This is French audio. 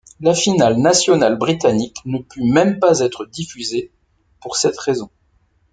La finale nationale britannique ne put même pas être diffusée pour cette raison.